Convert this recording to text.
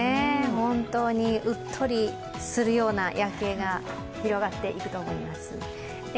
うっとりするような夜景が広がっていると思います。